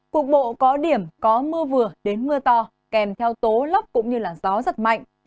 cuộc bộ có điểm có mưa vừa đến mưa to kèm theo tố lóc cũng như gió rất mạnh